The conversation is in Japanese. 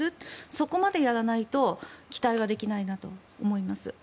そこまでやらないと期待はできないなと思います。